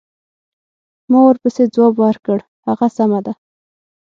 ما ورپسې ځواب ورکړ: هغه سمه ده.